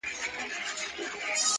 تا په پنځه لوېشتو وړيو کي سيتار وتړی_